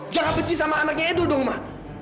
jangan benci sama anaknya edo dong mak